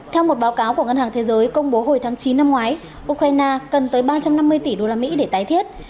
theo một báo cáo của ngân hàng thế giới công bố hồi tháng chín năm ngoái ukraine cần tới ba trăm năm mươi tỷ usd để tái thiết